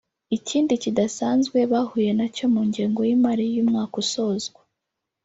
Ikindi kidasanzwe bahuye na cyo mu ngengo y’imari y’uyu mwaka usozwa